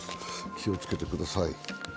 気をつけてください。